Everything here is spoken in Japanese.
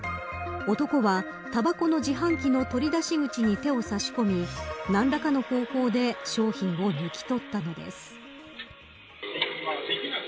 男はたばこの自販機の取り出し口に手を差し込み何らかの方法で商品を抜き取ったのです。